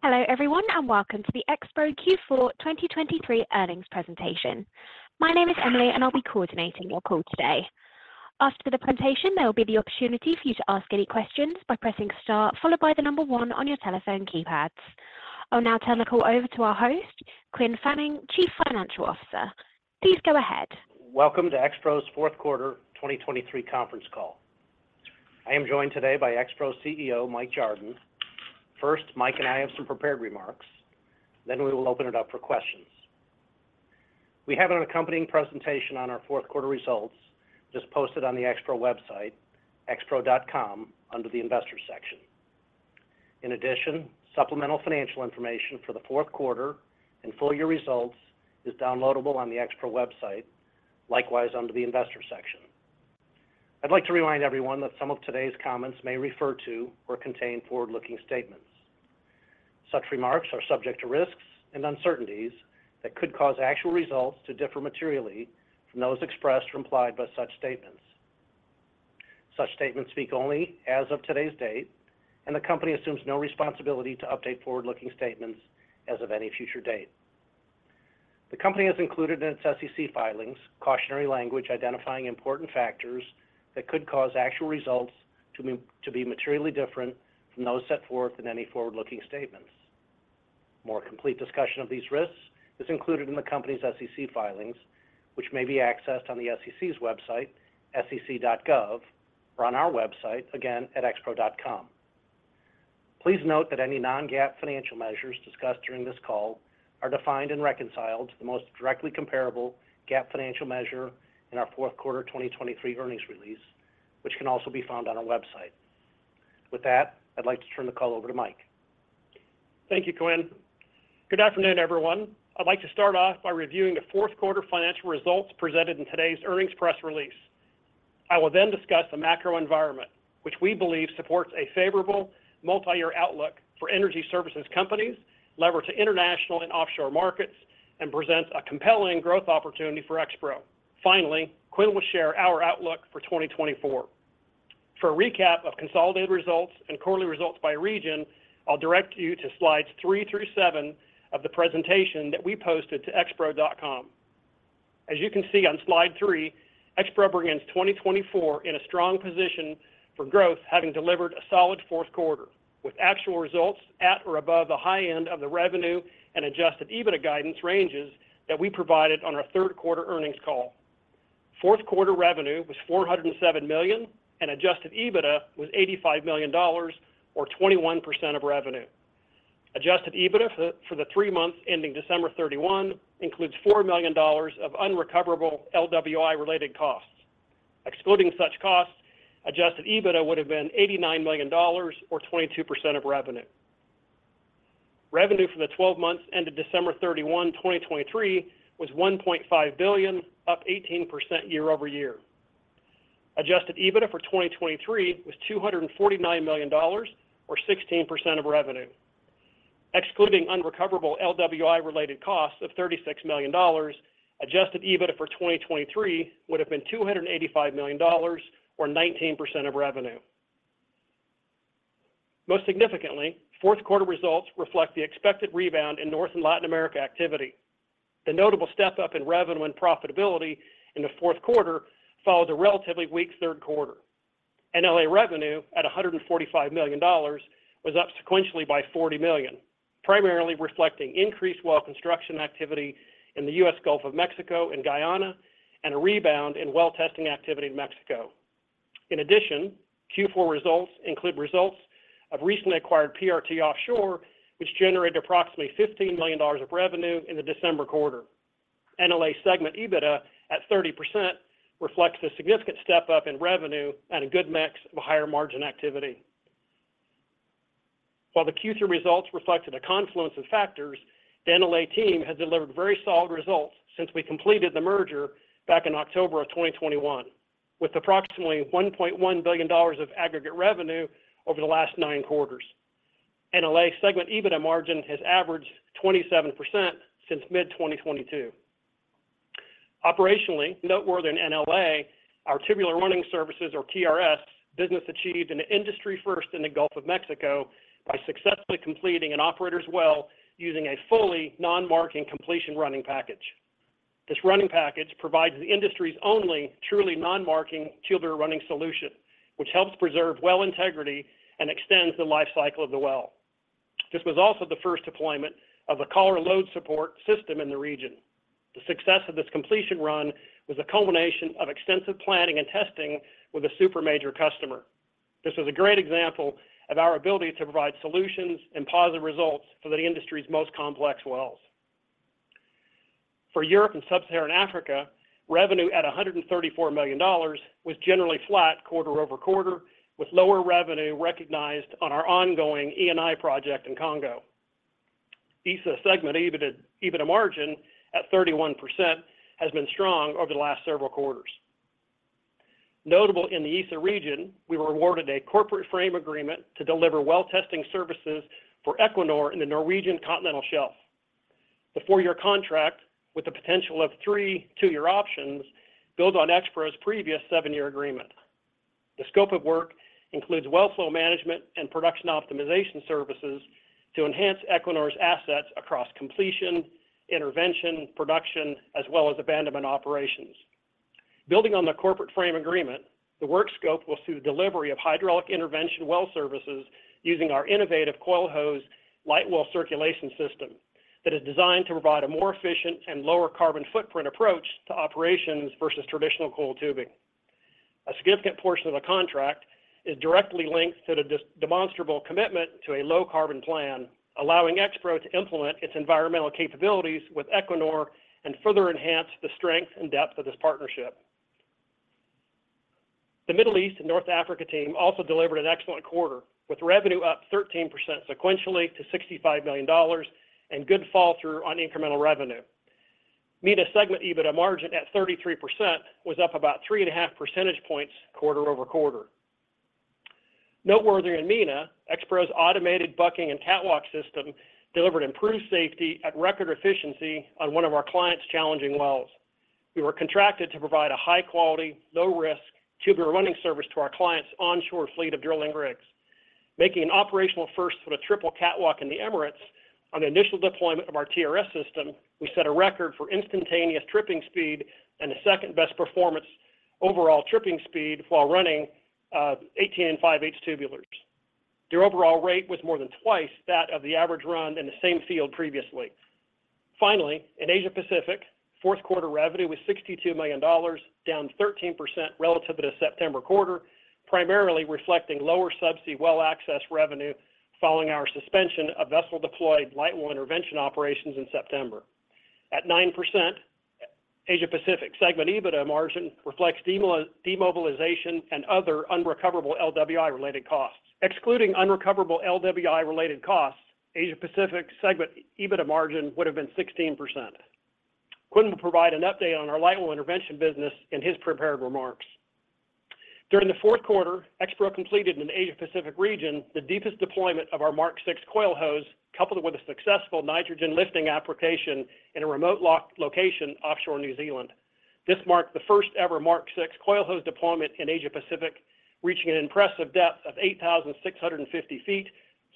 Hello, everyone, and welcome to the Expro Q4 2023 earnings presentation. My name is Emily, and I'll be coordinating your call today. After the presentation, there will be the opportunity for you to ask any questions by pressing star, followed by the number one on your telephone keypads. I'll now turn the call over to our host, Quinn Fanning, Chief Financial Officer. Please go ahead. Welcome to Expro's fourth quarter 2023 conference call. I am joined today by Expro's CEO, Mike Jardon. First, Mike and I have some prepared remarks, then we will open it up for questions. We have an accompanying presentation on our fourth quarter results, just posted on the Expro website, expro.com, under the Investors section. In addition, supplemental financial information for the fourth quarter and full year results is downloadable on the Expro website, likewise, under the Investors section. I'd like to remind everyone that some of today's comments may refer to or contain forward-looking statements. Such remarks are subject to risks and uncertainties that could cause actual results to differ materially from those expressed or implied by such statements. Such statements speak only as of today's date, and the Company assumes no responsibility to update forward-looking statements as of any future date. The Company has included in its SEC filings, cautionary language, identifying important factors that could cause actual results to be materially different from those set forth in any forward-looking statements. More complete discussion of these risks is included in the Company's SEC filings, which may be accessed on the SEC's website, sec.gov, or on our website, again, at expro.com. Please note that any non-GAAP financial measures discussed during this call are defined and reconciled to the most directly comparable GAAP financial measure in our fourth quarter 2023 earnings release, which can also be found on our website. With that, I'd like to turn the call over to Mike. Thank you, Quinn. Good afternoon, everyone. I'd like to start off by reviewing the fourth quarter financial results presented in today's earnings press release. I will then discuss the macro environment, which we believe supports a favorable multi-year outlook for energy services companies, levered to international and offshore markets, and presents a compelling growth opportunity for XPRO. Finally, Quinn will share our outlook for 2024. For a recap of consolidated results and quarterly results by region, I'll direct you to slides 3 through 7 of the presentation that we posted to xpro.com. As you can see on Slide 3, XPRO begins 2024 in a strong position for growth, having delivered a solid fourth quarter, with actual results at or above the high end of the revenue and Adjusted EBITDA guidance ranges that we provided on our third quarter earnings call. Fourth quarter revenue was $407 million, and adjusted EBITDA was $85 million or 21% of revenue. Adjusted EBITDA for the three months ending December 31 includes $4 million of unrecoverable LWI related costs. Excluding such costs, adjusted EBITDA would have been $89 million or 22% of revenue. Revenue for the twelve months ended December 31, 2023 was $1.5 billion, up 18% year-over-year. Adjusted EBITDA for 2023 was $249 million, or 16% of revenue. Excluding unrecoverable LWI related costs of $36 million, adjusted EBITDA for 2023 would have been $285 million, or 19% of revenue. Most significantly, fourth quarter results reflect the expected rebound in North and Latin America activity. The notable step-up in revenue and profitability in the fourth quarter followed a relatively weak third quarter. NLA revenue, at $145 million, was up sequentially by $40 million, primarily reflecting increased well construction activity in the U.S., Gulf of Mexico, and Guyana, and a rebound in well testing activity in Mexico. In addition, Q4 results include results of recently acquired PRT Offshore, which generated approximately $15 million of revenue in the December quarter. NLA segment EBITDA, at 30%, reflects a significant step-up in revenue and a good mix of a higher margin activity. While the Q2 results reflected a confluence of factors, the NLA team has delivered very solid results since we completed the merger back in October of 2021, with approximately $1.1 billion of aggregate revenue over the last nine quarters. NLA segment EBITDA margin has averaged 27% since mid-2022. Operationally, noteworthy in NLA, our Tubular Running Services or TRS business achieved an industry first in the Gulf of Mexico by successfully completing an operator's well using a fully non-marking completion running package. This running package provides the industry's only truly non-marking tubular running solution, which helps preserve well integrity and extends the lifecycle of the well. This was also the first deployment of a collar load support system in the region. The success of this completion run was a culmination of extensive planning and testing with a super major customer. This was a great example of our ability to provide solutions and positive results for the industry's most complex wells. For Europe and Sub-Saharan Africa, revenue at $134 million was generally flat quarter-over-quarter, with lower revenue recognized on our ongoing Eni project in Congo. ESSA segment EBITDA, EBITDA margin at 31% has been strong over the last several quarters. Notable in the ESSA region, we were awarded a corporate frame agreement to deliver well testing services for Equinor in the Norwegian Continental Shelf. The four-year contract, with the potential of three two-year options, builds on Expro's previous seven-year agreement. The scope of work includes well flow management and production optimization services to enhance Equinor's assets across completion, intervention, production, as well as abandonment operations. Building on the corporate frame agreement, the work scope will see the delivery of hydraulic intervention well services using our innovative CoilHose light well circulation system, that is designed to provide a more efficient and lower carbon footprint approach to operations versus traditional coil tubing. A significant portion of the contract is directly linked to the demonstrable commitment to a low carbon plan, allowing Expro to implement its environmental capabilities with Equinor and further enhance the strength and depth of this partnership. The Middle East and North Africa team also delivered an excellent quarter, with revenue up 13% sequentially to $65 million and good fall-through on incremental revenue. MENA segment EBITDA margin at 33% was up about 3.5 percentage points quarter-over-quarter. Noteworthy in MENA, Expro's automated bucking and catwalk system delivered improved safety at record efficiency on one of our clients' challenging wells. We were contracted to provide a high-quality, low-risk tubular running service to our clients' onshore fleet of drilling rigs. Making an operational first with a triple catwalk in the Emirates on the initial deployment of our TRS system, we set a record for instantaneous tripping speed and the second-best performance overall tripping speed while running 18 5/8 tubulars. Their overall rate was more than twice that of the average run in the same field previously. Finally, in Asia Pacific, fourth quarter revenue was $62 million, down 13% relative to the September quarter, primarily reflecting lower subsea well access revenue following our suspension of vessel-deployed light well intervention operations in September. At 9%, Asia Pacific segment EBITDA margin reflects demobilization and other unrecoverable LWI-related costs. Excluding unrecoverable LWI-related costs, Asia Pacific segment EBITDA margin would have been 16%. Quinn will provide an update on our light well intervention business in his prepared remarks. During the fourth quarter, Expro completed in the Asia Pacific region, the deepest deployment of our Mark VI coil hose, coupled with a successful nitrogen lifting application in a remote location offshore New Zealand. This marked the first-ever Mark VI coil hose deployment in Asia Pacific, reaching an impressive depth of 8,650 feet,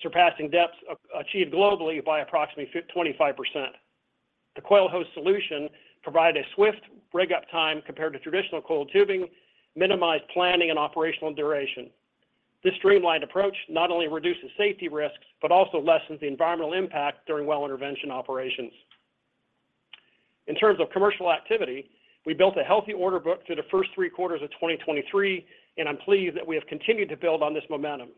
surpassing depths achieved globally by approximately 25%. The coil hose solution provided a swift rig-up time compared to traditional coiled tubing, minimized planning and operational duration. This streamlined approach not only reduces safety risks, but also lessens the environmental impact during well intervention operations. In terms of commercial activity, we built a healthy order book through the first three quarters of 2023, and I'm pleased that we have continued to build on this momentum.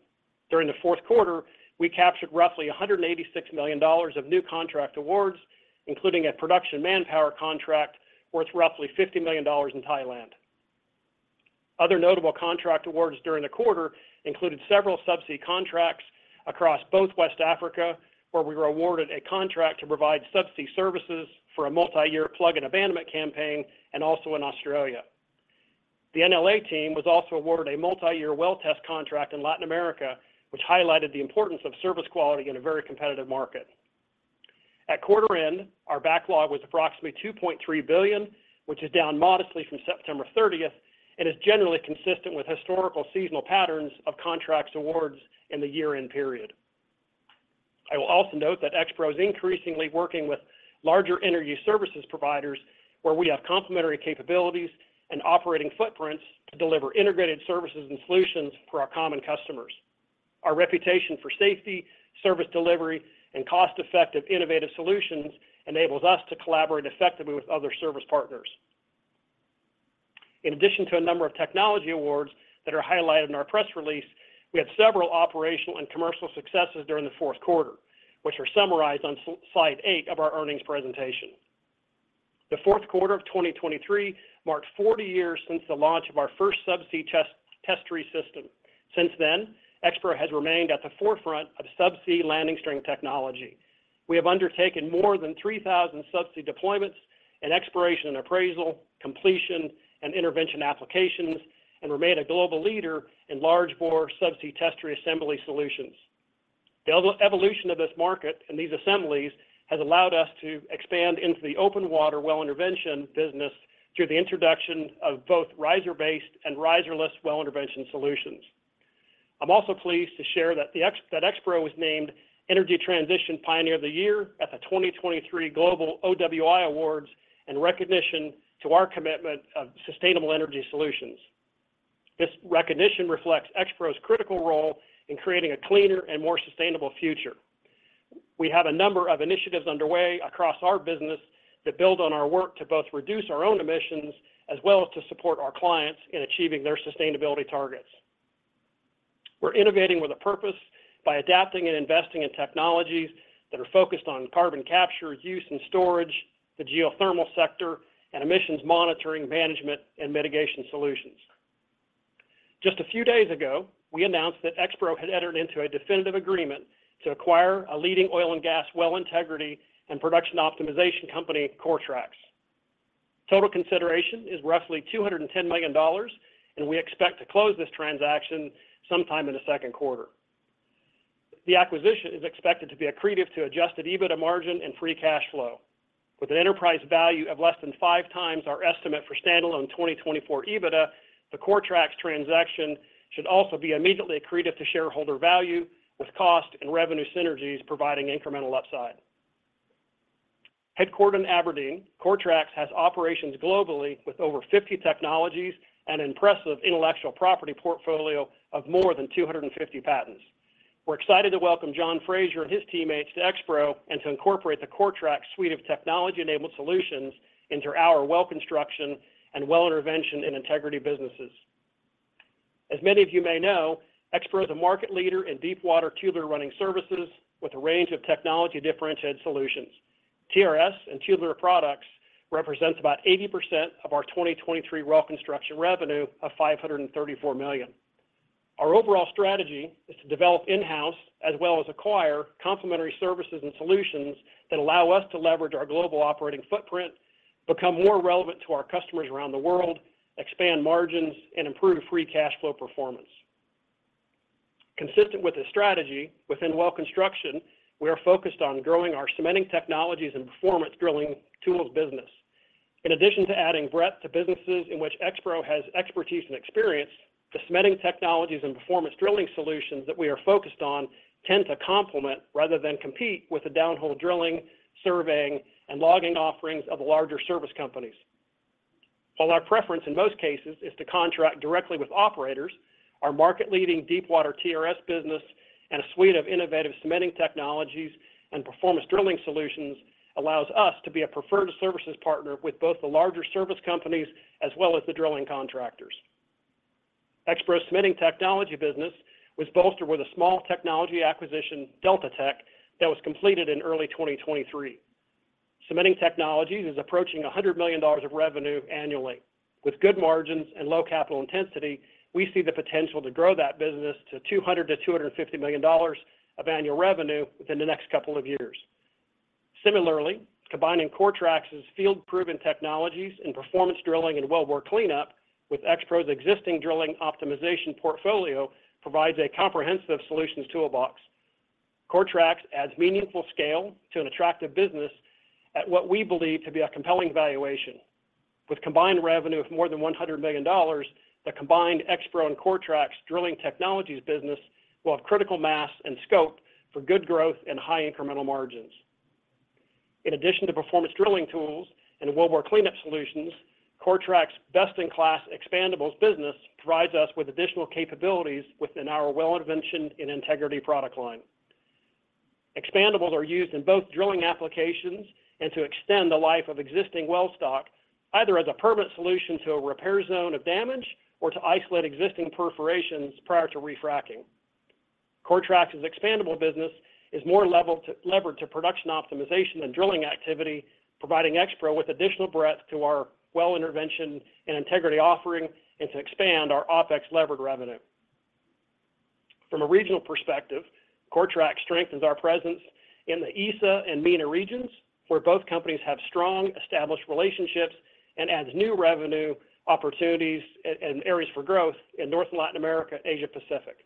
During the fourth quarter, we captured roughly $186 million of new contract awards, including a production manpower contract worth roughly $50 million in Thailand. Other notable contract awards during the quarter included several subsea contracts across both West Africa, where we were awarded a contract to provide subsea services for a multi-year plug and abandonment campaign, and also in Australia. The NLA team was also awarded a multi-year well test contract in Latin America, which highlighted the importance of service quality in a very competitive market. At quarter end, our backlog was approximately $2.3 billion, which is down modestly from September 30 and is generally consistent with historical seasonal patterns of contract awards in the year-end period. I will also note that Expro is increasingly working with larger energy services providers, where we have complementary capabilities and operating footprints to deliver integrated services and solutions for our common customers. Our reputation for safety, service delivery, and cost-effective, innovative solutions enables us to collaborate effectively with other service partners. In addition to a number of technology awards that are highlighted in our press release, we had several operational and commercial successes during the fourth quarter, which are summarized on slide 8 of our earnings presentation. The fourth quarter of 2023 marked 40 years since the launch of our first subsea test tree system. Since then, Expro has remained at the forefront of subsea landing string technology. We have undertaken more than 3,000 subsea deployments and exploration and appraisal, completion, and intervention applications, and remained a global leader in large-bore subsea test tree assembly solutions. The evolution of this market and these assemblies has allowed us to expand into the open water well intervention business through the introduction of both riser-based and riserless well intervention solutions. I'm also pleased to share that that Expro was named Energy Transition Pioneer of the Year at the 2023 Global OWI Awards, in recognition to our commitment of sustainable energy solutions. This recognition reflects Expro's critical role in creating a cleaner and more sustainable future. We have a number of initiatives underway across our business that build on our work to both reduce our own emissions, as well as to support our clients in achieving their sustainability targets. We're innovating with a purpose by adapting and investing in technologies that are focused on carbon capture, use, and storage, the geothermal sector, and emissions monitoring, management, and mitigation solutions. Just a few days ago, we announced that Expro had entered into a definitive agreement to acquire a leading oil and gas well integrity and production optimization company, Coretrax. Total consideration is roughly $210 million, and we expect to close this transaction sometime in the second quarter. The acquisition is expected to be accretive to Adjusted EBITDA margin and free cash flow. With an enterprise value of less than 5x our estimate for standalone 2024 EBITDA, the Coretrax transaction should also be immediately accretive to shareholder value, with cost and revenue synergies providing incremental upside. Headquartered in Aberdeen, Coretrax has operations globally with over 50 technologies and impressive intellectual property portfolio of more than 250 patents. We're excited to welcome John Fraser and his teammates to Expro, and to incorporate the Coretrax suite of technology-enabled solutions into our well construction and well intervention and integrity businesses. As many of you may know, Expro is a market leader in deepwater tubular running services with a range of technology-differentiated solutions. TRS and tubular products represents about 80% of our 2023 well construction revenue of $534 million. Our overall strategy is to develop in-house, as well as acquire complementary services and solutions that allow us to leverage our global operating footprint, become more relevant to our customers around the world, expand margins, and improve free cash flow performance. Consistent with this strategy, within well construction, we are focused on growing our cementing technologies and performance drilling tools business. In addition to adding breadth to businesses in which Expro has expertise and experience, the cementing technologies and performance drilling solutions that we are focused on tend to complement rather than compete with the downhole drilling, surveying, and logging offerings of the larger service companies. While our preference in most cases is to contract directly with operators, our market-leading deepwater TRS business and a suite of innovative cementing technologies and performance drilling solutions allows us to be a preferred services partner with both the larger service companies as well as the drilling contractors. Expro's cementing technology business was bolstered with a small technology acquisition, DeltaTek, that was completed in early 2023. Cementing technologies is approaching $100 million of revenue annually. With good margins and low capital intensity, we see the potential to grow that business to $200 million-$250 million of annual revenue within the next couple of years. Similarly, combining Coretrax's field-proven technologies and performance drilling and wellbore cleanup with Expro's existing drilling optimization portfolio, provides a comprehensive solutions toolbox. Coretrax adds meaningful scale to an attractive business at what we believe to be a compelling valuation. With combined revenue of more than $100 million, the combined Expro and Coretrax drilling technologies business will have critical mass and scope for good growth and high incremental margins. In addition to performance drilling tools and wellbore cleanup solutions, Coretrax's best-in-class expandables business provides us with additional capabilities within our well intervention and integrity product line. Expandables are used in both drilling applications and to extend the life of existing well stock, either as a permanent solution to a repair zone of damage or to isolate existing perforations prior to refracking. Coretrax's expandable business is more levered to production optimization and drilling activity, providing Expro with additional breadth to our well intervention and integrity offering and to expand our OpEx levered revenue. From a regional perspective, Coretrax strengthens our presence in the ESSA and MENA regions, where both companies have strong, established relationships and adds new revenue, opportunities, and areas for growth in North and Latin America, Asia Pacific.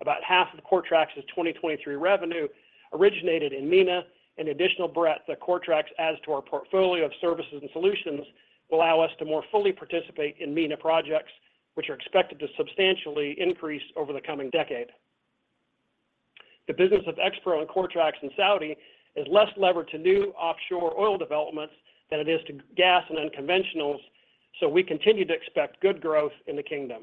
About half of Coretrax's 2023 revenue originated in MENA, and the additional breadth that Coretrax adds to our portfolio of services and solutions will allow us to more fully participate in MENA projects, which are expected to substantially increase over the coming decade. The business of Expro and Coretrax in Saudi is less levered to new offshore oil developments than it is to gas and unconventionals, so we continue to expect good growth in the kingdom.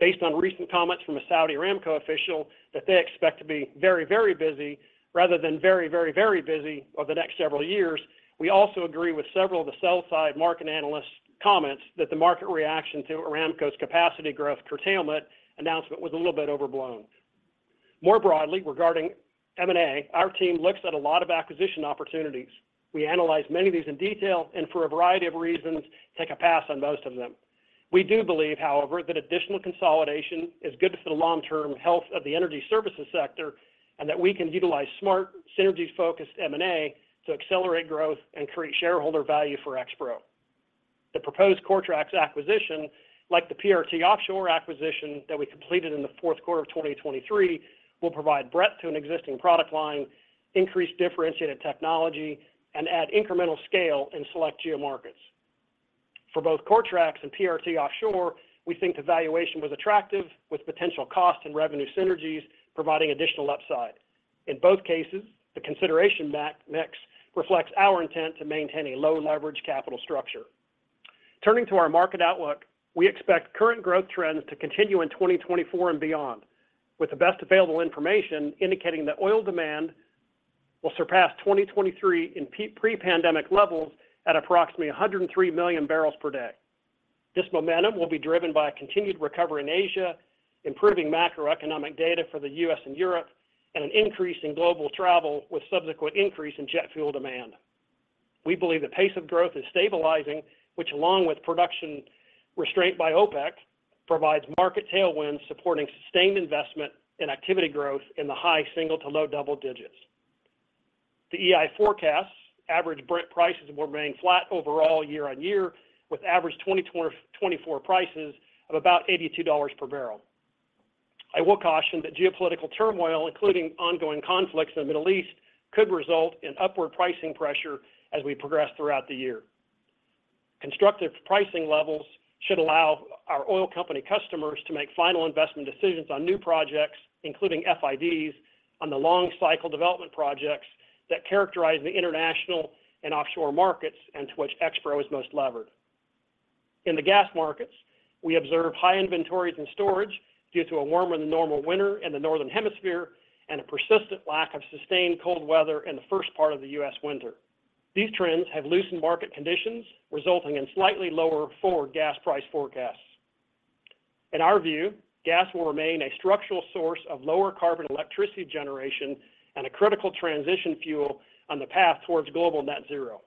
Based on recent comments from a Saudi Aramco official, that they expect to be very, very busy, rather than very, very, very busy over the next several years, we also agree with several of the sell-side market analysts' comments that the market reaction to Aramco's capacity growth curtailment announcement was a little bit overblown. More broadly, regarding M&A, our team looks at a lot of acquisition opportunities. We analyze many of these in detail, and for a variety of reasons, take a pass on most of them. We do believe, however, that additional consolidation is good for the long-term health of the energy services sector, and that we can utilize smart, synergy-focused M&A to accelerate growth and create shareholder value for Expro. The proposed Coretrax acquisition, like the PRT Offshore acquisition that we completed in the fourth quarter of 2023, will provide breadth to an existing product line, increase differentiated technology, and add incremental scale in select geo markets. For both Coretrax and PRT Offshore, we think the valuation was attractive, with potential cost and revenue synergies providing additional upside. In both cases, the consideration mix reflects our intent to maintain a low leverage capital structure. Turning to our market outlook, we expect current growth trends to continue in 2024 and beyond, with the best available information indicating that oil demand will surpass 2023 in pre-pandemic levels at approximately 103 million barrels per day. This momentum will be driven by a continued recovery in Asia, improving macroeconomic data for the U.S. and Europe, and an increase in global travel, with subsequent increase in jet fuel demand. We believe the pace of growth is stabilizing, which, along with production restraint by OPEC, provides market tailwinds supporting sustained investment and activity growth in the high single- to low double-digit.... The EI forecasts average Brent prices will remain flat overall year-on-year, with average 2024 prices of about $82 per barrel. I will caution that geopolitical turmoil, including ongoing conflicts in the Middle East, could result in upward pricing pressure as we progress throughout the year. Constructive pricing levels should allow our oil company customers to make final investment decisions on new projects, including FIDs, on the long cycle development projects that characterize the international and offshore markets, and to which Expro is most levered. In the gas markets, we observe high inventories and storage due to a warmer than normal winter in the northern hemisphere and a persistent lack of sustained cold weather in the first part of the U.S. winter. These trends have loosened market conditions, resulting in slightly lower forward gas price forecasts. In our view, gas will remain a structural source of lower carbon electricity generation and a critical transition fuel on the path towards global net zero.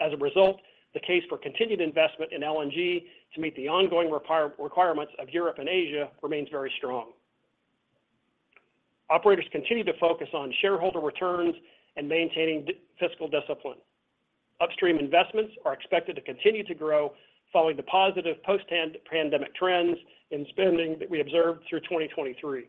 As a result, the case for continued investment in LNG to meet the ongoing requirements of Europe and Asia remains very strong. Operators continue to focus on shareholder returns and maintaining fiscal discipline. Upstream investments are expected to continue to grow, following the positive post-pandemic trends in spending that we observed through 2023.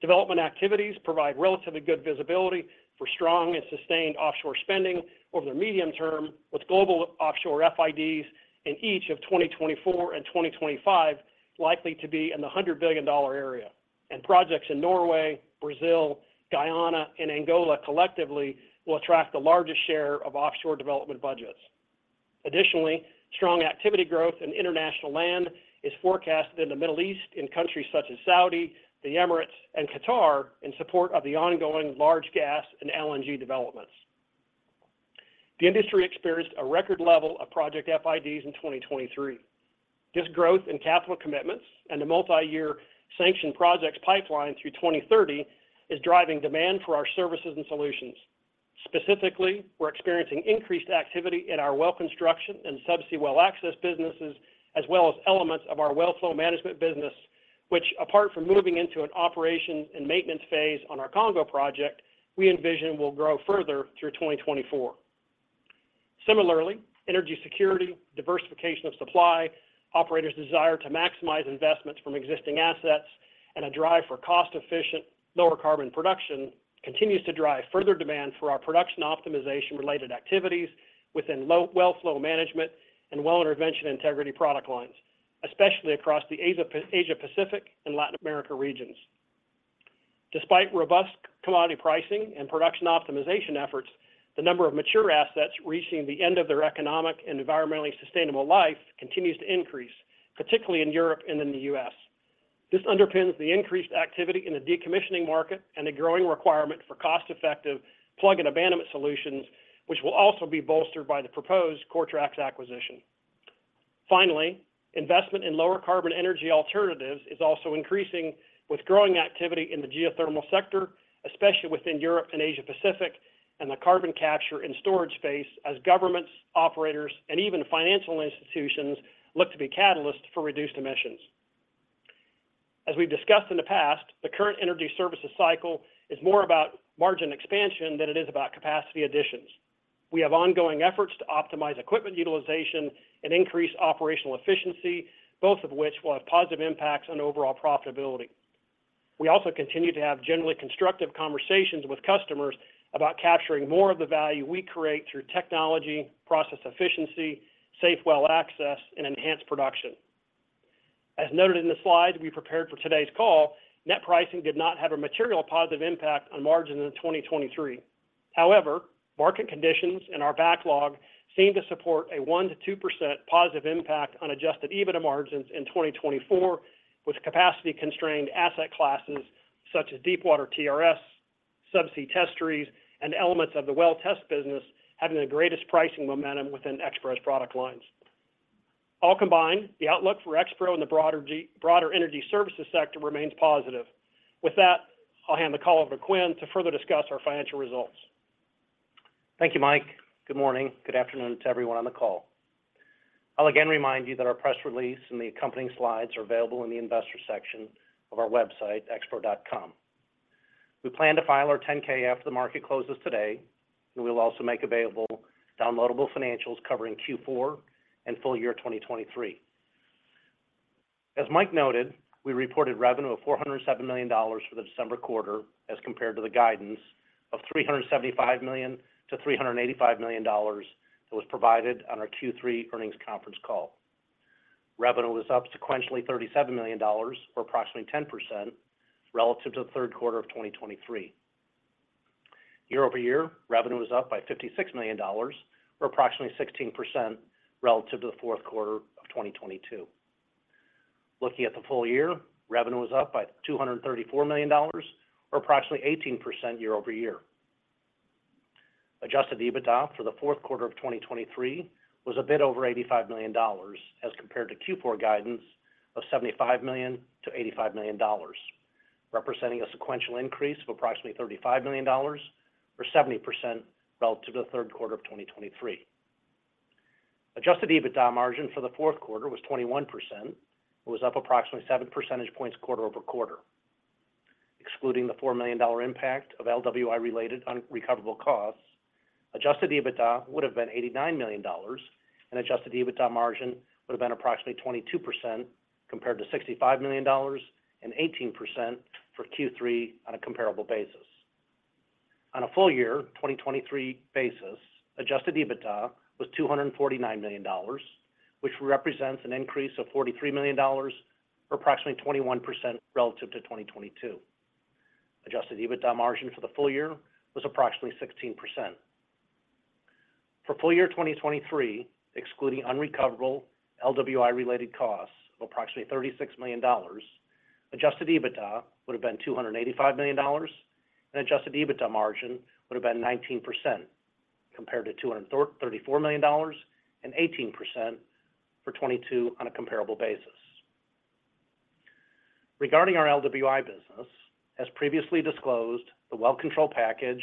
Development activities provide relatively good visibility for strong and sustained offshore spending over the medium term, with global offshore FIDs in each of 2024 and 2025 likely to be in the $100 billion area. And projects in Norway, Brazil, Guyana, and Angola collectively will attract the largest share of offshore development budgets. Additionally, strong activity growth in international land is forecasted in the Middle East, in countries such as Saudi, the Emirates, and Qatar, in support of the ongoing large gas and LNG developments. The industry experienced a record level of project FIDs in 2023. This growth in capital commitments and the multi-year sanctioned projects pipeline through 2030 is driving demand for our services and solutions. Specifically, we're experiencing increased activity in our well construction and subsea well access businesses, as well as elements of our well flow management business, which, apart from moving into an operations and maintenance phase on our Congo project, we envision will grow further through 2024. Similarly, energy security, diversification of supply, operators' desire to maximize investments from existing assets, and a drive for cost-efficient, lower carbon production continues to drive further demand for our production optimization related activities within well flow management and well intervention integrity product lines, especially across the Asia Pacific and Latin America regions. Despite robust commodity pricing and production optimization efforts, the number of mature assets reaching the end of their economic and environmentally sustainable life continues to increase, particularly in Europe and in the U.S. This underpins the increased activity in the decommissioning market and a growing requirement for cost-effective plug and abandonment solutions, which will also be bolstered by the proposed Coretrax acquisition. Finally, investment in lower carbon energy alternatives is also increasing, with growing activity in the geothermal sector, especially within Europe and Asia Pacific, and the carbon capture and storage space as governments, operators, and even financial institutions look to be catalysts for reduced emissions. As we've discussed in the past, the current energy services cycle is more about margin expansion than it is about capacity additions. We have ongoing efforts to optimize equipment utilization and increase operational efficiency, both of which will have positive impacts on overall profitability. We also continue to have generally constructive conversations with customers about capturing more of the value we create through technology, process efficiency, safe well access, and enhanced production. As noted in the slides we prepared for today's call, net pricing did not have a material positive impact on margin in 2023. However, market conditions and our backlog seem to support a 1%-2% positive impact on Adjusted EBITDA margins in 2024, with capacity-constrained asset classes such as deepwater TRS, subsea test trees, and elements of the well test business, having the greatest pricing momentum within Expro's product lines. All combined, the outlook for Expro and the broader energy services sector remains positive. With that, I'll hand the call over to Quinn to further discuss our financial results. Thank you, Mike. Good morning. Good afternoon to everyone on the call. I'll again remind you that our press release and the accompanying slides are available in the investor section of our website, expro.com. We plan to file our 10-K after the market closes today, and we'll also make available downloadable financials covering Q4 and full year 2023. As Mike noted, we reported revenue of $407 million for the December quarter, as compared to the guidance of $375 million-$385 million that was provided on our Q3 earnings conference call. Revenue was up sequentially, $37 million, or approximately 10% relative to the third quarter of 2023. Year-over-year, revenue is up by $56 million, or approximately 16% relative to the fourth quarter of 2022. Looking at the full year, revenue is up by $234 million, or approximately 18% year-over-year. Adjusted EBITDA for the fourth quarter of 2023 was a bit over $85 million, as compared to Q4 guidance of $75 million-$85 million, representing a sequential increase of approximately $35 million, or 70% relative to the third quarter of 2023.... Adjusted EBITDA margin for the fourth quarter was 21%. It was up approximately 7 percentage points quarter-over-quarter. Excluding the $4 million impact of LWI-related unrecoverable costs, adjusted EBITDA would have been $89 million, and adjusted EBITDA margin would have been approximately 22%, compared to $65 million and 18% for Q3 on a comparable basis. On a full year, 2023 basis, adjusted EBITDA was $249 million, which represents an increase of $43 million, or approximately 21% relative to 2022. Adjusted EBITDA margin for the full year was approximately 16%. For full year 2023, excluding unrecoverable LWI-related costs of approximately $36 million, adjusted EBITDA would have been $285 million, and adjusted EBITDA margin would have been 19%, compared to $234 million and 18% for 2022 on a comparable basis. Regarding our LWI business, as previously disclosed, the well control package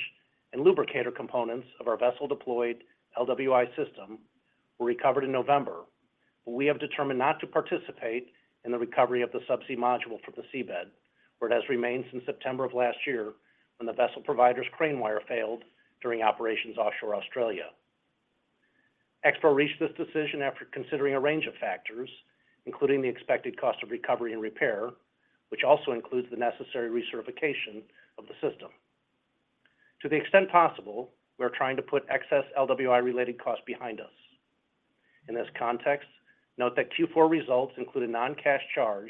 and lubricator components of our vessel-deployed LWI system were recovered in November. We have determined not to participate in the recovery of the subsea module from the seabed, where it has remained since September of last year when the vessel provider's crane wire failed during operations offshore Australia. XPRO reached this decision after considering a range of factors, including the expected cost of recovery and repair, which also includes the necessary recertification of the system. To the extent possible, we are trying to put excess LWI-related costs behind us. In this context, note that Q4 results include a non-cash charge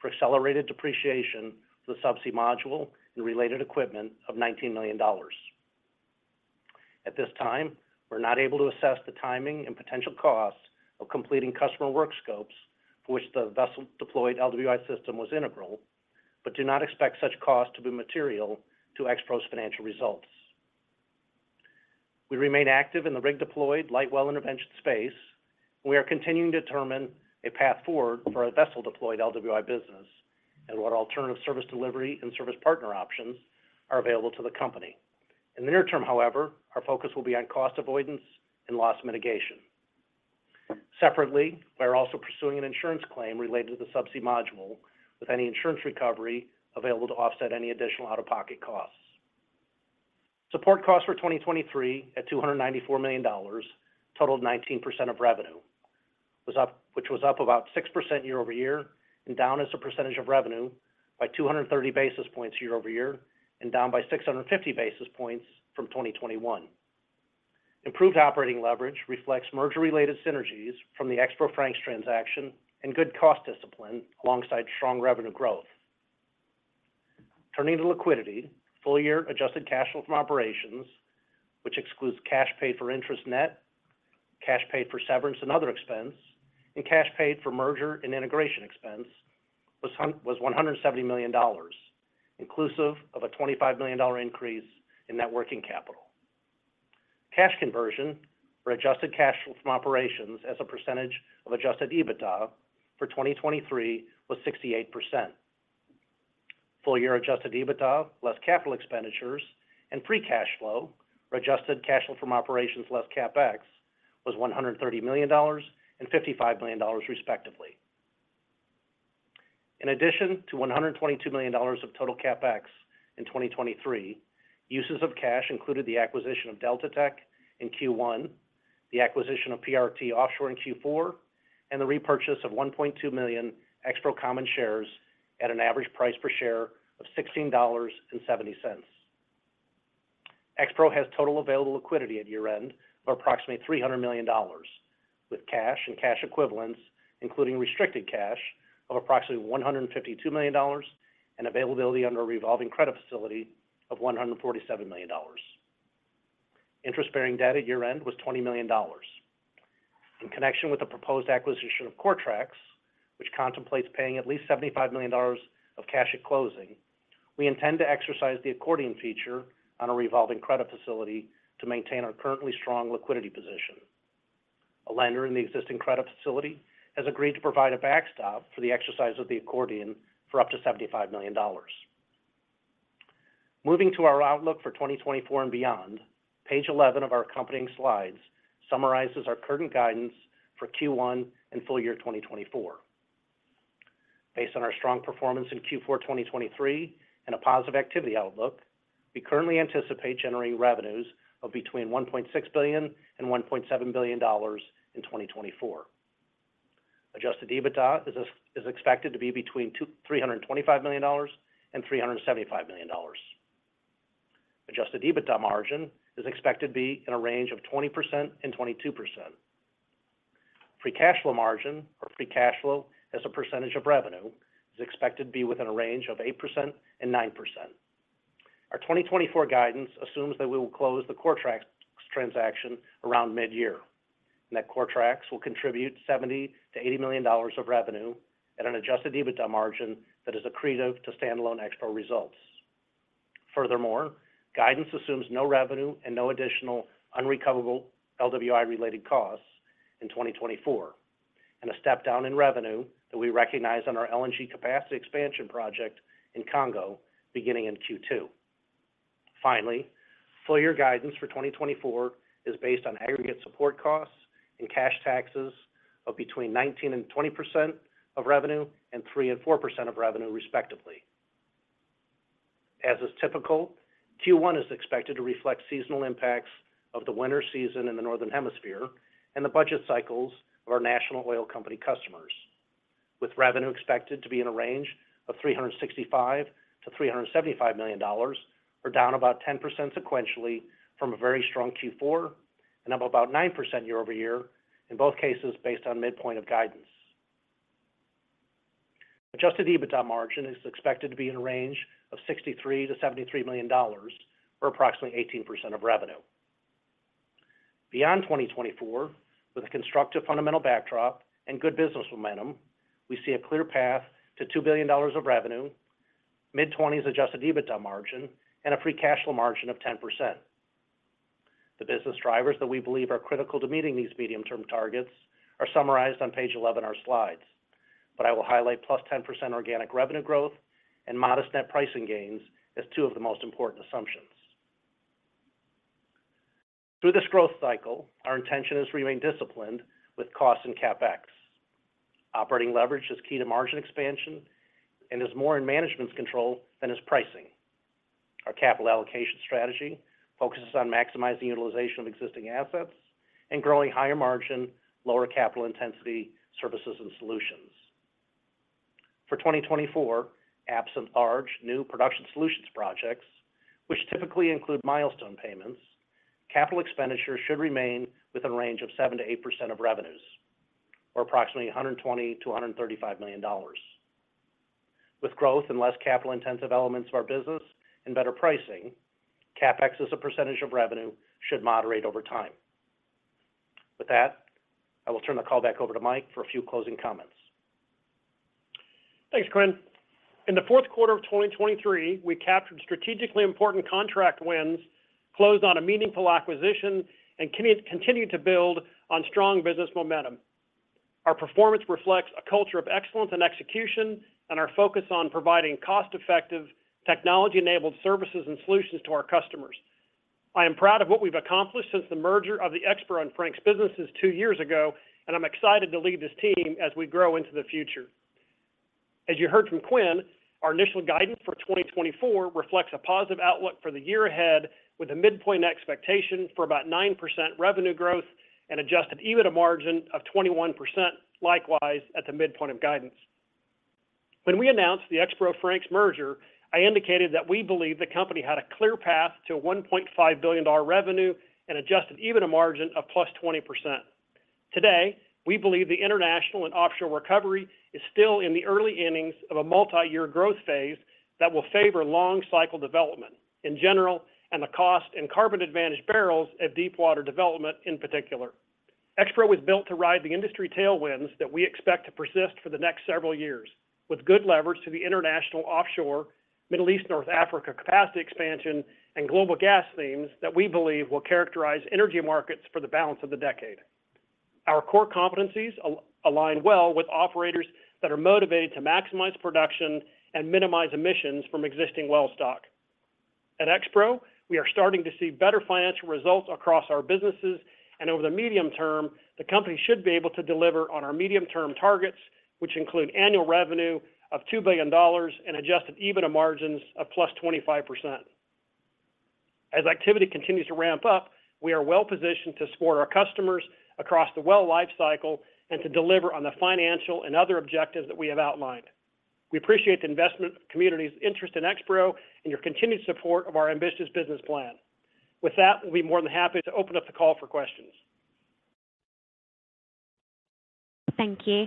for accelerated depreciation of the subsea module and related equipment of $19 million. At this time, we're not able to assess the timing and potential costs of completing customer work scopes for which the vessel-deployed LWI system was integral, but do not expect such costs to be material to XPRO's financial results. We remain active in the rig-deployed, light well intervention space. We are continuing to determine a path forward for our vessel-deployed LWI business and what alternative service delivery and service partner options are available to the company. In the near term, however, our focus will be on cost avoidance and loss mitigation. Separately, we are also pursuing an insurance claim related to the subsea module, with any insurance recovery available to offset any additional out-of-pocket costs. Support costs for 2023, at $294 million, totaled 19% of revenue, which was up about 6% year-over-year and down as a percentage of revenue by 230 basis points year-over-year and down by 650 basis points from 2021. Improved operating leverage reflects merger-related synergies from the XPRO Frank's transaction and good cost discipline alongside strong revenue growth. Turning to liquidity, full-year adjusted cash flow from operations, which excludes cash paid for interest net, cash paid for severance and other expense, and cash paid for merger and integration expense, was $170 million, inclusive of a $25 million increase in net working capital. Cash conversion or adjusted cash flow from operations as a percentage of adjusted EBITDA for 2023 was 68%. Full-year adjusted EBITDA, less capital expenditures and free cash flow, or adjusted cash flow from operations less CapEx, was $130 million and $55 million, respectively. In addition to $122 million of total CapEx in 2023, uses of cash included the acquisition of Delta Tech in Q1, the acquisition of PRT Offshore in Q4, and the repurchase of 1.2 million XPRO common shares at an average price per share of $16.70. XPRO has total available liquidity at year-end of approximately $300 million, with cash and cash equivalents, including restricted cash of approximately $152 million, and availability under a revolving credit facility of $147 million. Interest-bearing debt at year-end was $20 million. In connection with the proposed acquisition of CoreTrax, which contemplates paying at least $75 million of cash at closing, we intend to exercise the accordion feature on a revolving credit facility to maintain our currently strong liquidity position. A lender in the existing credit facility has agreed to provide a backstop for the exercise of the accordion for up to $75 million. Moving to our outlook for 2024 and beyond, page 11 of our accompanying slides summarizes our current guidance for Q1 and full year 2024. Based on our strong performance in Q4 2023 and a positive activity outlook, we currently anticipate generating revenues of between $1.6 billion-$1.7 billion in 2024. Adjusted EBITDA is expected to be between $325 million-$375 million. Adjusted EBITDA margin is expected to be in a range of 20%-22%. Free cash flow margin, or free cash flow as a percentage of revenue, is expected to be within a range of 8%-9%. Our 2024 guidance assumes that we will close the Coretrax transaction around mid-year, and that Coretrax will contribute $70 million-$80 million of revenue at an Adjusted EBITDA margin that is accretive to standalone XPRO results. Furthermore, guidance assumes no revenue and no additional unrecoverable LWI-related costs in 2024, and a step down in revenue that we recognize on our LNG capacity expansion project in Congo beginning in Q2. Finally, full-year guidance for 2024 is based on aggregate support costs and cash taxes of between 19% and 20% of revenue and 3% and 4% of revenue, respectively. As is typical, Q1 is expected to reflect seasonal impacts of the winter season in the Northern Hemisphere and the budget cycles of our national oil company customers, with revenue expected to be in a range of $365 million-$375 million, or down about 10% sequentially from a very strong Q4 and up about 9% year-over-year, in both cases, based on midpoint of guidance. Adjusted EBITDA margin is expected to be in a range of $63 million-$73 million, or approximately 18% of revenue. Beyond 2024, with a constructive fundamental backdrop and good business momentum, we see a clear path to $2 billion of revenue, mid-twenties adjusted EBITDA margin, and a free cash flow margin of 10%. The business drivers that we believe are critical to meeting these medium-term targets are summarized on page 11 of our slides, but I will highlight +10% organic revenue growth and modest net pricing gains as two of the most important assumptions. Through this growth cycle, our intention is to remain disciplined with costs and CapEx. Operating leverage is key to margin expansion and is more in management's control than is pricing. Our capital allocation strategy focuses on maximizing utilization of existing assets and growing higher margin, lower capital intensity, services and solutions. For 2024, absent large new production solutions projects, which typically include milestone payments, capital expenditures should remain within a range of 7%-8% of revenues, or approximately $120 million-$135 million. With growth and less capital-intensive elements of our business and better pricing, CapEx as a percentage of revenue should moderate over time. With that, I will turn the call back over to Mike for a few closing comments. Thanks, Quinn. In the fourth quarter of 2023, we captured strategically important contract wins, closed on a meaningful acquisition, and continued to build on strong business momentum. Our performance reflects a culture of excellence and execution and our focus on providing cost-effective, technology-enabled services and solutions to our customers. I am proud of what we've accomplished since the merger of the Expro and Frank's businesses two years ago, and I'm excited to lead this team as we grow into the future. As you heard from Quinn, our initial guidance for 2024 reflects a positive outlook for the year ahead, with a midpoint expectation for about 9% revenue growth and Adjusted EBITDA margin of 21%, likewise, at the midpoint of guidance. When we announced the Expro Frank's merger, I indicated that we believe the company had a clear path to $1.5 billion revenue and adjusted EBITDA margin of +20%. Today, we believe the international and offshore recovery is still in the early innings of a multi-year growth phase that will favor long cycle development in general, and the cost and carbon advantage barrels at deepwater development in particular. Expro was built to ride the industry tailwinds that we expect to persist for the next several years, with good leverage to the international offshore, Middle East, North Africa capacity expansion, and global gas themes that we believe will characterize energy markets for the balance of the decade. Our core competencies align well with operators that are motivated to maximize production and minimize emissions from existing well stock. At Expro, we are starting to see better financial results across our businesses, and over the medium term, the company should be able to deliver on our medium-term targets, which include annual revenue of $2 billion and Adjusted EBITDA margins of +25%. As activity continues to ramp up, we are well positioned to support our customers across the well lifecycle and to deliver on the financial and other objectives that we have outlined. We appreciate the investment community's interest in Expro and your continued support of our ambitious business plan. With that, we'll be more than happy to open up the call for questions. Thank you.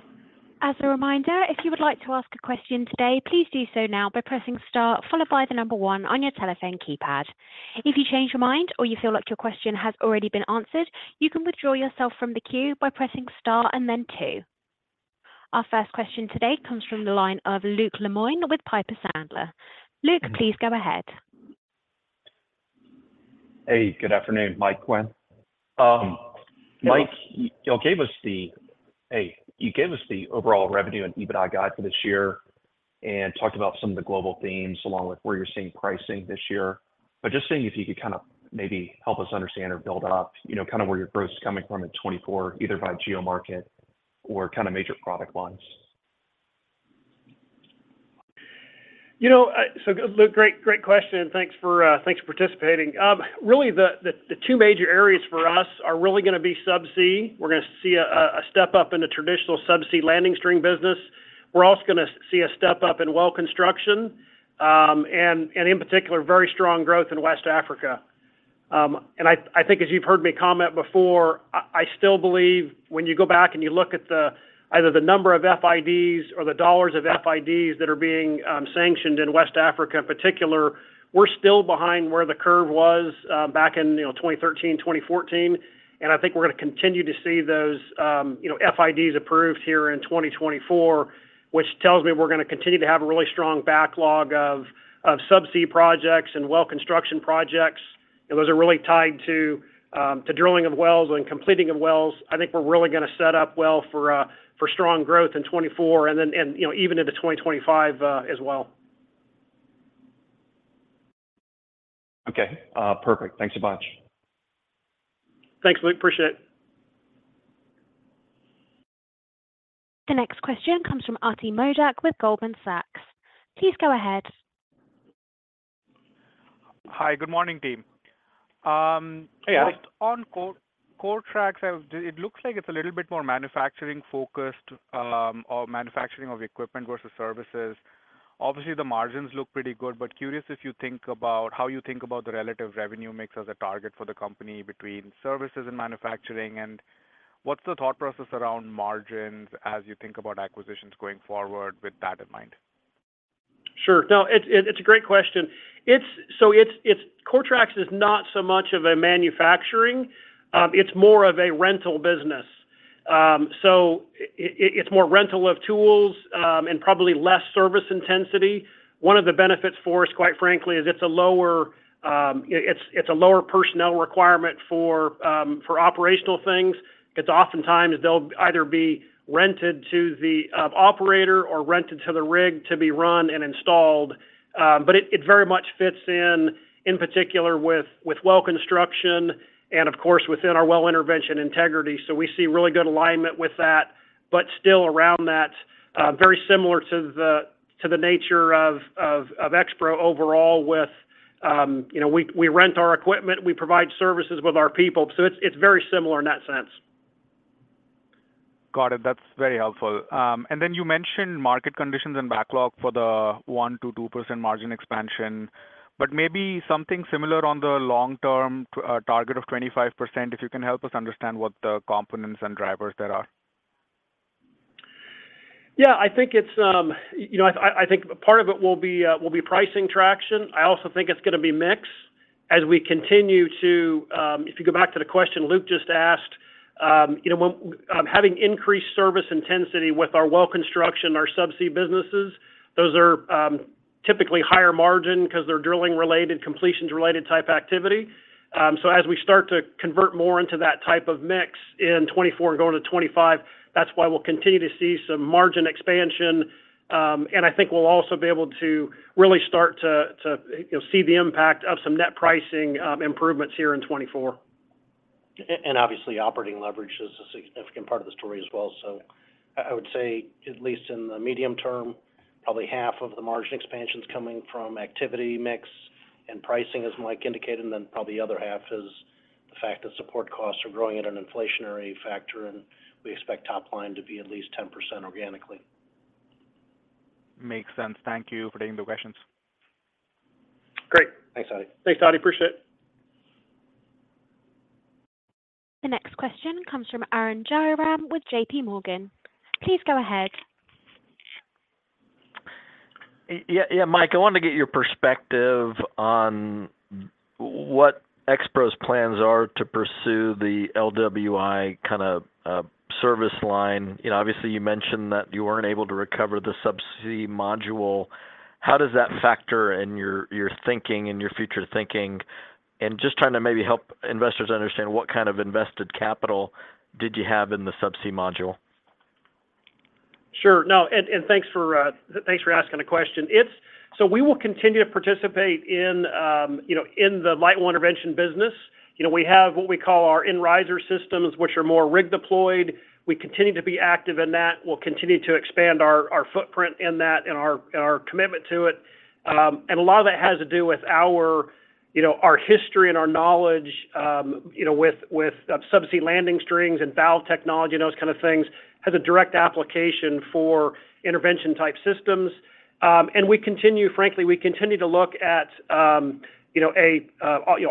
As a reminder, if you would like to ask a question today, please do so now by pressing star, followed by the number one on your telephone keypad. If you change your mind or you feel like your question has already been answered, you can withdraw yourself from the queue by pressing star and then two. Our first question today comes from the line of Luke Lemoine with Piper Sandler. Luke, please go ahead. Hey, good afternoon, Mike, Quinn. Mike, you gave us the overall revenue and EBITDA guide for this year and talked about some of the global themes, along with where you're seeing pricing this year. But just seeing if you could kind of maybe help us understand or build up, you know, kind of where your growth is coming from in 2024, either by geo market or kind of major product lines. You know, so Luke, great, great question, and thanks for, thanks for participating. Really, the, the, the two major areas for us are really going to be subsea. We're going to see a, a step up in the traditional subsea landing string business. We're also going to see a step up in well construction, and, and in particular, very strong growth in West Africa. And I, I think as you've heard me comment before, I, I still believe when you go back and you look at the, either the number of FIDs or the dollars of FIDs that are being, sanctioned in West Africa in particular, we're still behind where the curve was, back in, you know, 2013, 2014. I think we're going to continue to see those, you know, FIDs approved here in 2024, which tells me we're going to continue to have a really strong backlog of subsea projects and well construction projects... and those are really tied to drilling of wells and completing of wells. I think we're really gonna set up well for strong growth in 2024, and then, and, you know, even into 2025, as well. Okay. Perfect. Thanks a bunch. Thanks, Luke. Appreciate it. The next question comes from Ati Modak with Goldman Sachs. Please go ahead. Hi, good morning, team. Hey, Arti. On Coretrax, it looks like it's a little bit more manufacturing-focused, or manufacturing of equipment versus services. Obviously, the margins look pretty good, but curious if you think about how you think about the relative revenue mix as a target for the company between services and manufacturing, and what's the thought process around margins as you think about acquisitions going forward with that in mind? Sure. No, it's a great question. It's so it's Coretrax is not so much of a manufacturing, it's more of a rental business. So it's more rental of tools, and probably less service intensity. One of the benefits for us, quite frankly, is it's a lower, it's a lower personnel requirement for operational things. It's oftentimes they'll either be rented to the operator or rented to the rig to be run and installed. But it very much fits in particular with well construction and, of course, within our well intervention integrity. So we see really good alignment with that. But still around that, very similar to the nature of Expro overall with, you know, we rent our equipment, we provide services with our people. So it's very similar in that sense. Got it. That's very helpful. And then you mentioned market conditions and backlog for the 1%-2% margin expansion, but maybe something similar on the long-term target of 25%, if you can help us understand what the components and drivers there are. Yeah, I think it's, you know, I, I think part of it will be, will be pricing traction. I also think it's gonna be mix as we continue to... If you go back to the question Luke just asked, you know, when, having increased service intensity with our well construction, our subsea businesses, those are, typically higher margin because they're drilling-related, completions-related type activity. So as we start to convert more into that type of mix in 2024 and going to 2025, that's why we'll continue to see some margin expansion. And I think we'll also be able to really start to, to, you know, see the impact of some net pricing, improvements here in 2024. And obviously, operating leverage is a significant part of the story as well. So I, I would say, at least in the medium term, probably half of the margin expansion is coming from activity mix, and pricing, as Mike indicated, and then probably the other half is the fact that support costs are growing at an inflationary factor, and we expect top line to be at least 10% organically. Makes sense. Thank you for taking the questions. Great. Thanks, Arti. Thanks, Arti. Appreciate it. The next question comes from Arun Jayaram with JP Morgan. Please go ahead. Yeah, yeah, Mike, I wanted to get your perspective on what Expro's plans are to pursue the LWI kind of service line. You know, obviously, you mentioned that you weren't able to recover the subsea module. How does that factor in your thinking, in your future thinking? And just trying to maybe help investors understand what kind of invested capital did you have in the subsea module? Sure. No, and thanks for asking the question. It's so we will continue to participate in, you know, in the light well intervention business. You know, we have what we call our in riser systems, which are more rig deployed. We continue to be active in that. We'll continue to expand our footprint in that and our commitment to it. And a lot of that has to do with our, you know, our history and our knowledge, you know, with subsea landing strings and valve technology and those kind of things, has a direct application for intervention-type systems. And we continue, frankly, we continue to look at, you know,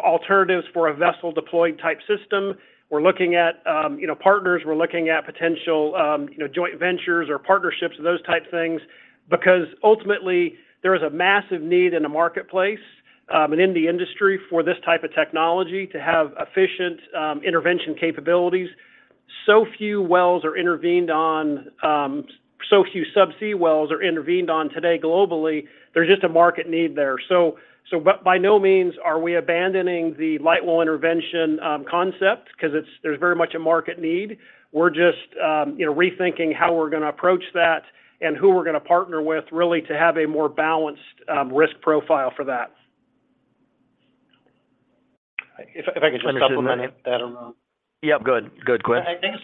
alternatives for a vessel-deployed type system. We're looking at, you know, partners, we're looking at potential, you know, joint ventures or partnerships and those type of things. Because ultimately, there is a massive need in the marketplace, and in the industry for this type of technology to have efficient, intervention capabilities. So few wells are intervened on, so few subsea wells are intervened on today globally, there's just a market need there. So by no means are we abandoning the light well intervention, concept because it's—there's very much a market need. We're just, you know, rethinking how we're gonna approach that and who we're gonna partner with, really, to have a more balanced, risk profile for that. If I could just supplement that, Arun? Yeah, good. Good, Quinn. I think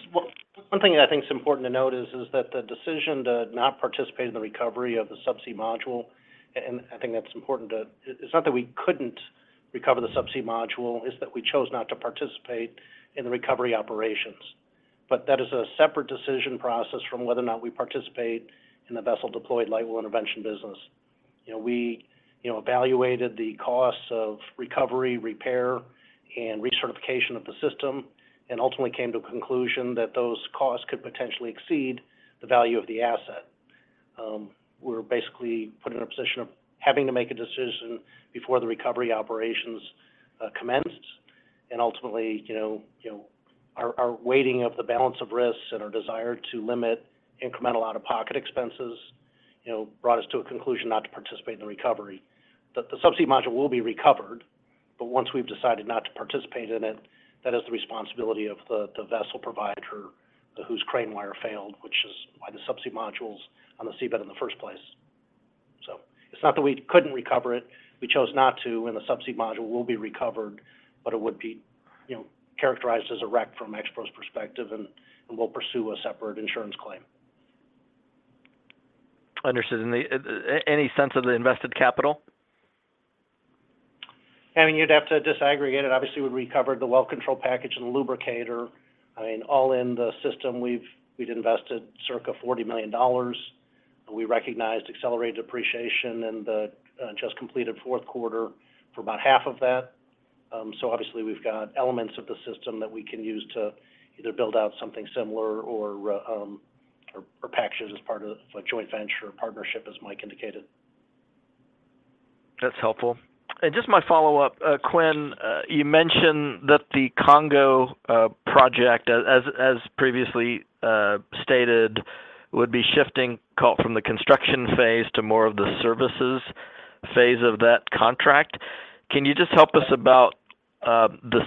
one thing I think is important to note is that the decision to not participate in the recovery of the subsea module, and I think that's important to note. It's not that we couldn't recover the subsea module. It's that we chose not to participate in the recovery operations. But that is a separate decision process from whether or not we participate in the vessel-deployed light well intervention business. You know, we, you know, evaluated the costs of recovery, repair, and recertification of the system, and ultimately came to a conclusion that those costs could potentially exceed the value of the asset. We're basically put in a position of having to make a decision before the recovery operations commence. Ultimately, you know, you know, our, our weighting of the balance of risks and our desire to limit incremental out-of-pocket expenses, you know, brought us to a conclusion not to participate in the recovery. But the subsea module will be recovered, but once we've decided not to participate in it, that is the responsibility of the, the vessel provider, whose crane wire failed, which is why the subsea module's on the seabed in the first place. So it's not that we couldn't recover it, we chose not to, and the subsea module will be recovered, but it would be, you know, characterized as a wreck from Expro's perspective, and, and we'll pursue a separate insurance claim. Understood. And then, any sense of the invested capital? I mean, you'd have to disaggregate it. Obviously, we recovered the well control package and lubricator. I mean, all in the system, we've invested circa $40 million. We recognized accelerated depreciation in the just completed fourth quarter for about $20 million. So obviously, we've got elements of the system that we can use to either build out something similar or package as part of a joint venture or partnership, as Mike indicated. That's helpful. Just my follow-up, Quinn, you mentioned that the Congo project, as previously stated, would be shifting call from the construction phase to more of the services phase of that contract. Can you just help us about the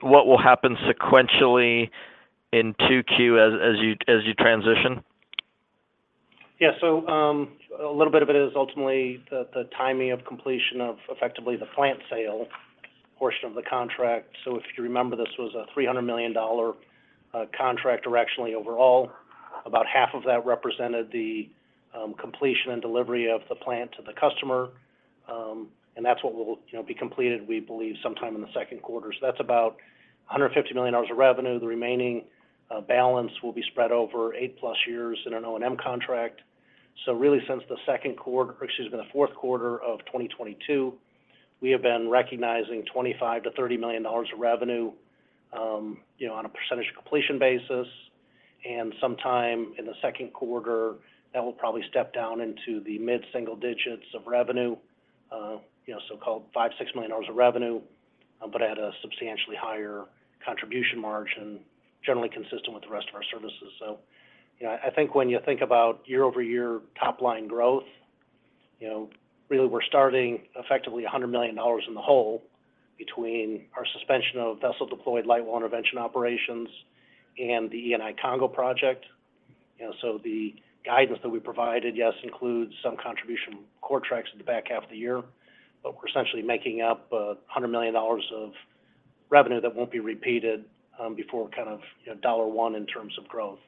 what will happen sequentially in two Qs as you transition? Yeah. So, a little bit of it is ultimately the timing of completion of effectively the plant sale portion of the contract. So if you remember, this was a $300 million contract directionally overall. About half of that represented the completion and delivery of the plant to the customer, and that's what will, you know, be completed, we believe, sometime in the second quarter. So that's about $150 million of revenue. The remaining balance will be spread over 8+ years in an O&M contract. So really, since the second quarter, excuse me, in the fourth quarter of 2022, we have been recognizing $25 million-$30 million of revenue, you know, on a percentage completion basis, and sometime in the second quarter, that will probably step down into the mid-single digits of revenue, you know, so-called $5-$6 million of revenue, but at a substantially higher contribution margin, generally consistent with the rest of our services. So, you know, I think when you think about year-over-year top-line growth, you know, really, we're starting effectively $100 million in the hole between our suspension of vessel-deployed light well intervention operations and the ENI Congo project. You know, so the guidance that we provided, yes, includes some contribution from CoreTrax in the back half of the year, but we're essentially making up $100 million of revenue that won't be repeated, before kind of, you know, dollar one in terms of growth.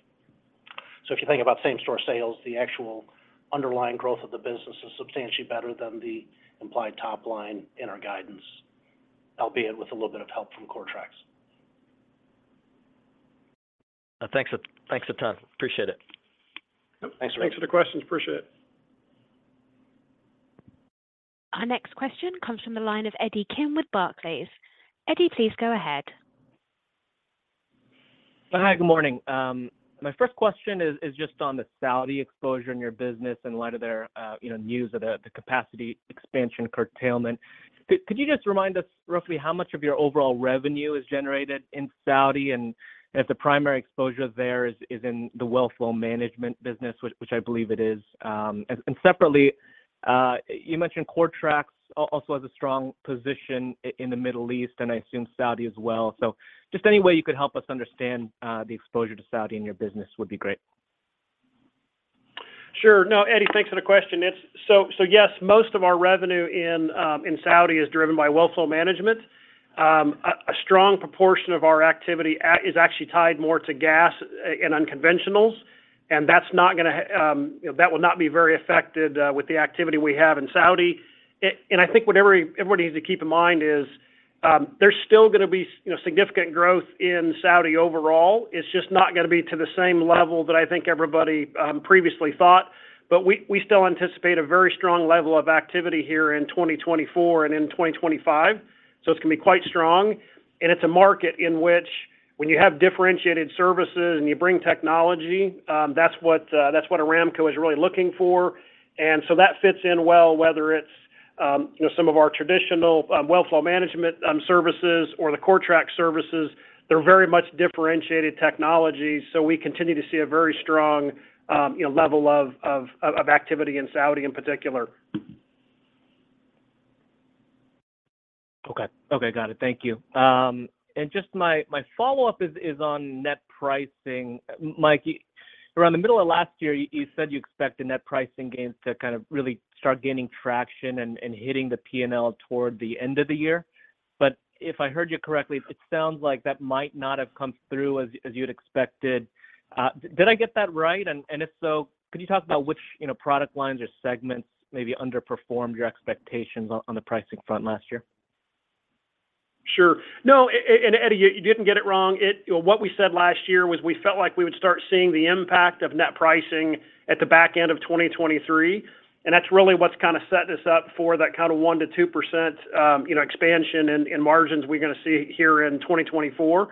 So if you think about same-store sales, the actual underlying growth of the business is substantially better than the implied top line in our guidance, albeit with a little bit of help from CoreTrax. Thanks a ton. Appreciate it. Thanks, Rick. Thanks for the questions. Appreciate it. Our next question comes from the line of Eddie Kim with Barclays. Eddie, please go ahead. Hi, good morning. My first question is just on the Saudi exposure in your business in light of their, you know, news of the capacity expansion curtailment. Could you just remind us roughly how much of your overall revenue is generated in Saudi, and if the primary exposure there is in the well flow management business, which I believe it is. And separately, you mentioned Coretrax also has a strong position in the Middle East, and I assume Saudi as well. So just any way you could help us understand the exposure to Saudi in your business would be great. Sure. No, Eddie, thanks for the question. It's so yes, most of our revenue in in Saudi is driven by well flow management. A strong proportion of our activity is actually tied more to gas and unconventionals, and that's not gonna, you know, that will not be very affected with the activity we have in Saudi. And I think what everybody needs to keep in mind is, there's still gonna be, you know, significant growth in Saudi overall. It's just not gonna be to the same level that I think everybody previously thought. But we, we still anticipate a very strong level of activity here in 2024 and in 2025, so it's gonna be quite strong. It's a market in which when you have differentiated services and you bring technology, that's what, that's what Aramco is really looking for. So that fits in well, whether it's, you know, some of our traditional, well flow management, services or the Coretrax services. They're very much differentiated technologies, so we continue to see a very strong, you know, level of activity in Saudi in particular. Okay. Okay, got it. Thank you. And just my follow-up is on net pricing. Mike, around the middle of last year, you said you expect the net pricing gains to kind of really start gaining traction and hitting the P&L toward the end of the year. But if I heard you correctly, it sounds like that might not have come through as you'd expected. Did I get that right? And if so, could you talk about which, you know, product lines or segments maybe underperformed your expectations on the pricing front last year? Sure. No, and Eddie, you didn't get it wrong. It— What we said last year was we felt like we would start seeing the impact of net pricing at the back end of 2023, and that's really what's kind of set this up for that kind of 1%-2%, you know, expansion in margins we're gonna see here in 2024.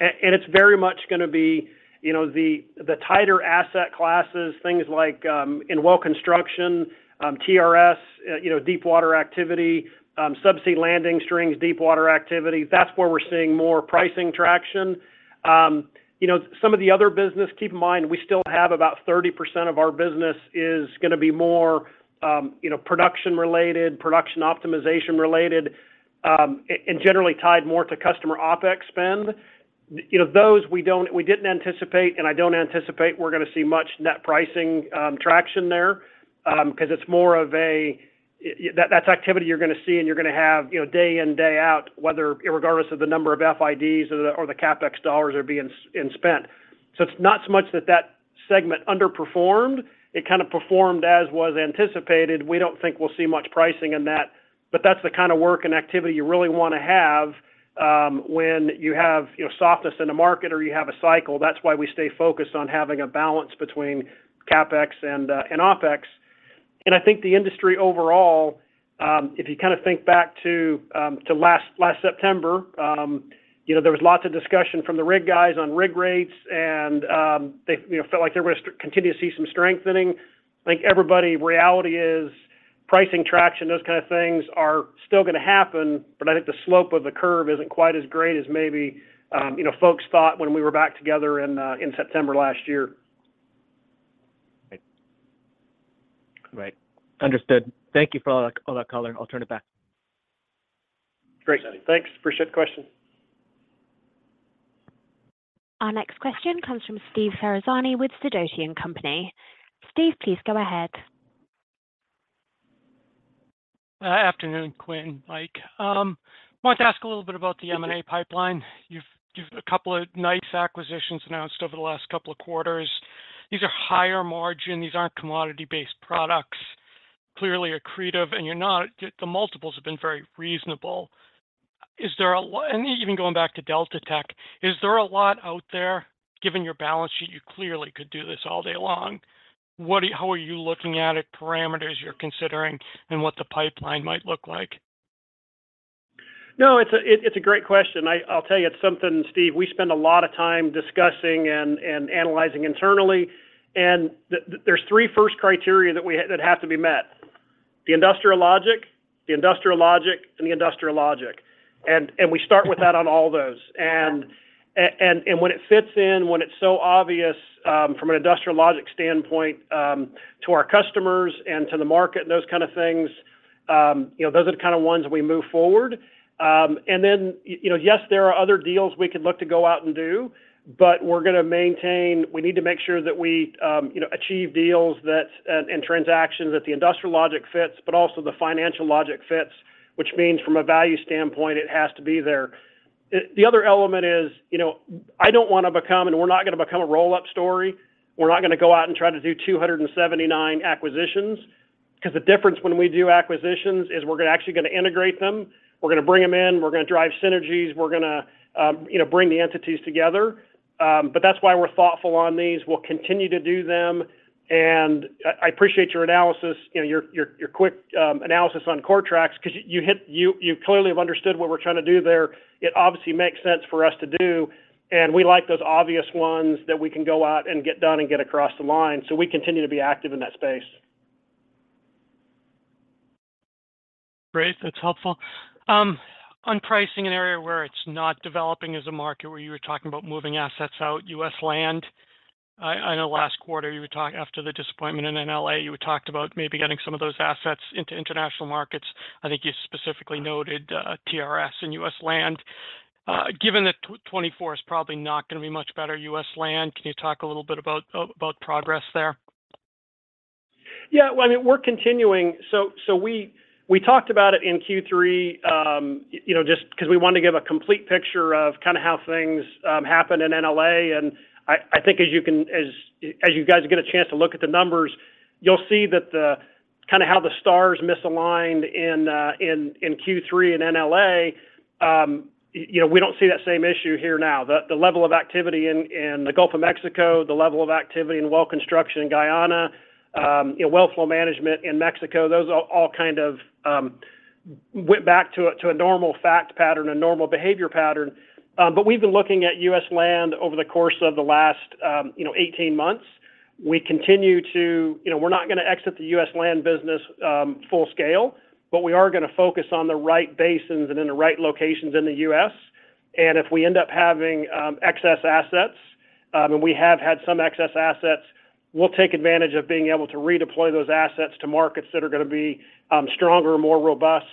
And it's very much gonna be, you know, the tighter asset classes, things like in well construction, TRS, you know, deep water activity, subsea landing strings, deep water activity. That's where we're seeing more pricing traction. You know, some of the other business, keep in mind, we still have about 30% of our business is gonna be more, you know, production-related, production optimization-related, and generally tied more to customer OpEx spend. You know, those we don't—we didn't anticipate, and I don't anticipate we're gonna see much net pricing traction there, because it's more of a—that's activity you're gonna see, and you're gonna have, you know, day in, day out, whether irregardless of the number of FIDs or the CapEx dollars are being spent. So it's not so much that that segment underperformed. It kind of performed as was anticipated. We don't think we'll see much pricing in that, but that's the kind of work and activity you really wanna have, when you have, you know, softness in the market or you have a cycle. That's why we stay focused on having a balance between CapEx and OpEx. I think the industry overall, if you kind of think back to last September, you know, there was lots of discussion from the rig guys on rig rates, and they, you know, felt like they were gonna continue to see some strengthening. I think everybody, reality is, pricing, traction, those kind of things are still gonna happen, but I think the slope of the curve isn't quite as great as maybe, you know, folks thought when we were back together in September last year. Right. Understood. Thank you for all that, all that color. I'll turn it back. Great. Thanks. Appreciate the question. Our next question comes from Steve Ferazani with Sidoti & Company. Steve, please go ahead. Afternoon, Quinn, Mike. I wanted to ask a little bit about the M&A pipeline. You've a couple of nice acquisitions announced over the last couple of quarters. These are higher margin. These aren't commodity-based products, clearly accretive, and you're not... The multiples have been very reasonable. Is there a lot and even going back to Delta Tech, is there a lot out there? Given your balance sheet, you clearly could do this all day long. What are, how are you looking at it, parameters you're considering, and what the pipeline might look like? No, it's a great question. I'll tell you, it's something, Steve, we spend a lot of time discussing and analyzing internally. And there's three first criteria that have to be met: the industrial logic, the industrial logic, and the industrial logic. And we start with that on all those. And when it fits in, when it's so obvious, from an industrial logic standpoint, to our customers and to the market and those kind of things, you know, those are the kind of ones we move forward. And then, you know, yes, there are other deals we could look to go out and do, but we're gonna maintain... We need to make sure that we, you know, achieve deals that, and, and transactions that the industrial logic fits, but also the financial logic fits, which means from a value standpoint, it has to be there. The other element is, you know, I don't wanna become, and we're not gonna become a roll-up story. We're not gonna go out and try to do 279 acquisitions, because the difference when we do acquisitions is we're gonna actually gonna integrate them. We're gonna bring them in, we're gonna drive synergies, we're gonna, you know, bring the entities together. But that's why we're thoughtful on these. We'll continue to do them, and I, I appreciate your analysis, you know, your, your, your quick, analysis on Coretrax, because you hit-- you, you clearly have understood what we're trying to do there. It obviously makes sense for us to do, and we like those obvious ones that we can go out and get done and get across the line. So we continue to be active in that space. Great, that's helpful. On pricing, an area where it's not developing as a market, where you were talking about moving assets out, U.S. land. I know last quarter you were talking, after the disappointment in NLA, you talked about maybe getting some of those assets into international markets. I think you specifically noted TRS and U.S. land. Given that 2024 is probably not gonna be much better U.S. land, can you talk a little bit about progress there? Yeah, well, I mean, we're continuing... So we talked about it in Q3, you know, just because we wanted to give a complete picture of kind of how things happened in NLA, and I think as you guys get a chance to look at the numbers, you'll see that the kind of how the stars misaligned in Q3 in NLA, you know, we don't see that same issue here now. The level of activity in the Gulf of Mexico, the level of activity in well construction in Guyana, you know, well flow management in Mexico, those all kind of went back to a normal fact pattern, a normal behavior pattern. But we've been looking at US land over the course of the last, you know, 18 months. We continue to—you know, we're not gonna exit the U.S. land business, full scale, but we are gonna focus on the right basins and in the right locations in the U.S. And if we end up having excess assets, and we have had some excess assets, we'll take advantage of being able to redeploy those assets to markets that are gonna be stronger, more robust,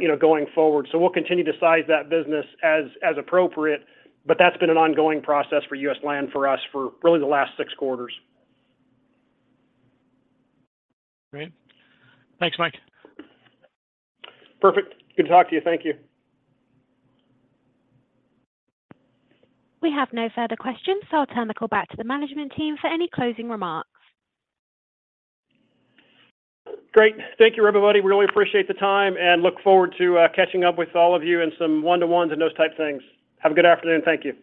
you know, going forward. So we'll continue to size that business as appropriate, but that's been an ongoing process for U.S. land, for us, for really the last six quarters. Great. Thanks, Mike. Perfect. Good to talk to you. Thank you. We have no further questions, so I'll turn the call back to the management team for any closing remarks. Great. Thank you, everybody. We really appreciate the time, and look forward to catching up with all of you in some one-to-ones and those type of things. Have a good afternoon. Thank you.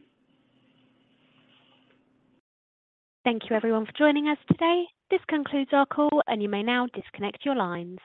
Thank you, everyone, for joining us today. This concludes our call, and you may now disconnect your lines.